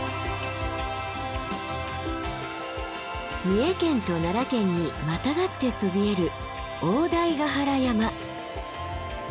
三重県と奈良県にまたがってそびえる大台ヶ原山。